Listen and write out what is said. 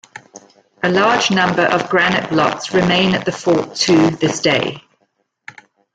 A large number of granite blocks remain at the fort to this day.